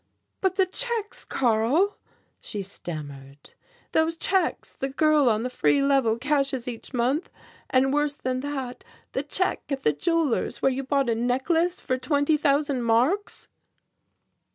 "But the checks, Karl?" she stammered; "those checks the girl on the Free Level cashes each month, and worse than that the check at the Jeweller's where you bought a necklace for twenty thousand marks?"